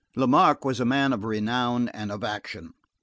Lamarque was a man of renown and of action.